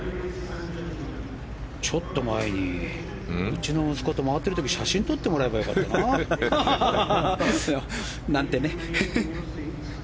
ちょっと前にうちの息子と回っている時に写真を撮ってもらえばよかったな。なんてね。